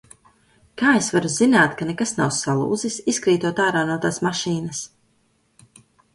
Kā es varu zināt, ka nekas nav salūzis, izkrītot ārā no tās mašīnas?